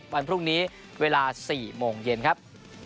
วันพรุ่งนี้เวลา๔โมงเย็นครับ